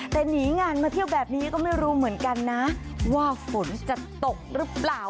แต่หนีงานมาเที่ยวแบบนี้ก็ไม่รู้เหมือนกันนะว่าฝนจะตกหรือเปล่า